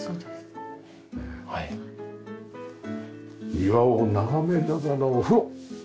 庭を眺めながらお風呂！